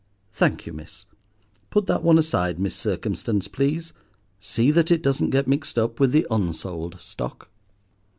Thank you, miss. Put that one aside, Miss Circumstance, please. See that it doesn't get mixed up with the unsold stock."